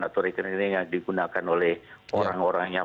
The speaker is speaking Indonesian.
atau rekening yang digunakan oleh orang orangnya